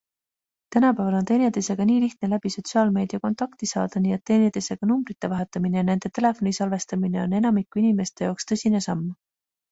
Tänapäeval on teineteisega nii lihtne läbi sotsiaalmeedia kontakti saada, nii et teineteisega numbrite vahetamine ja nende telefoni salvestamine on enamiku inimeste jaoks tõsine samm.